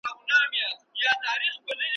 د ښو اخلاقو بېلګه و.